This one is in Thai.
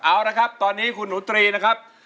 เอาละครับตอนนี้คุณหนูตรีนะครับ